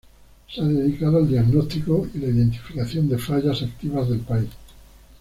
Se ha dedicado al diagnóstico y la identificación de fallas activas del país.